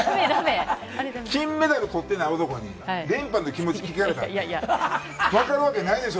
金メダルとった男に、連覇の気持ち聞かれたって、分かるわけないでしょ。